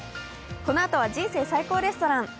このあとは「人生最高レストラン」。